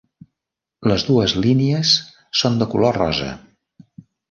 Les dues línies són de color rosa.